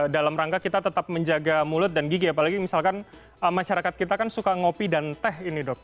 dalam rangka kita tetap menjaga mulut dan gigi apalagi misalkan masyarakat kita kan suka ngopi dan teh ini dok